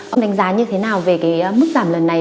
ông đánh giá như thế nào về cái mức giảm lần này